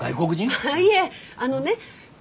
ああいえあのね